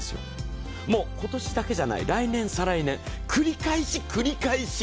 もう今年だけじゃない、来年、再来年、繰り返し、繰り返し。